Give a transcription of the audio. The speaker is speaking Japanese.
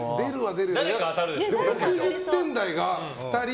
６０点台が２人？